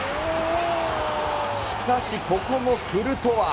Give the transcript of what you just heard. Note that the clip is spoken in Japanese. しかしここもクルトワ。